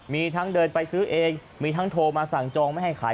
มีทั้งเดินไปซื้อเองมีทั้งโทรมาสั่งจองไม่ให้ขาย